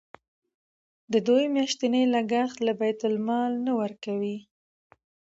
د دوی میاشتنی لګښت له بیت المال نه ورکوئ.